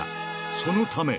そのため。